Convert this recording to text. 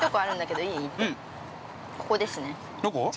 ◆どこ？